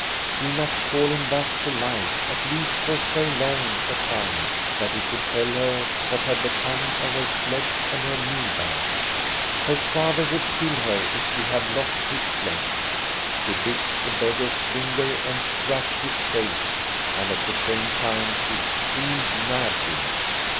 She must call him back to life, at least for so long a time that he could tell her what had become of her sledge and her meal bag. Her father would kill her if she had lost his sledge. She bit the beggar's fin ger and scratched his face, and at the same time she screamed madly.